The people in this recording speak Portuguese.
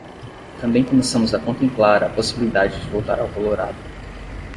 Também começamos a contemplar a possibilidade de voltar ao Colorado.